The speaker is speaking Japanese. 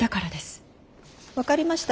分かりました。